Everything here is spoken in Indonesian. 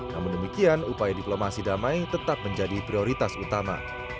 namun demikian upaya diplomasi damai tetap menjadi prioritas utama